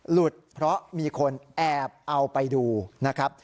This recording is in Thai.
หลุดเพราะมีคนแอบเอาไปดูนะครับ